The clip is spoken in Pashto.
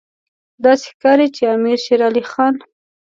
داسې ښکاري چې امیر شېر علي خان.